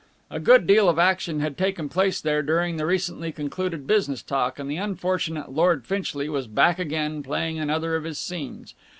A good deal of action had taken place there during the recently concluded business talk, and the unfortunate Lord Finchley was back again, playing another of his scenes.